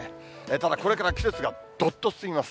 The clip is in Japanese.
ただこれから季節がどっと進みます。